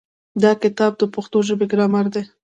دا کتاب د پښتو ژبې ګرامر دی.